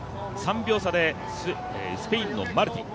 ３秒差でスペインのマルティン。